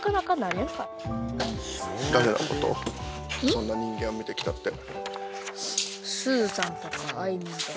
そんな人間を見てきたって。